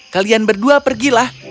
kalian berdua pergilah